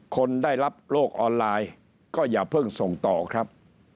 คนได้รับโลกออนไลน์ก็อย่าเพิ่งส่งต่อครับ